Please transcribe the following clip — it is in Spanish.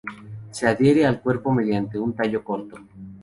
Se adhiere al cuerpo mediante un tallo corto.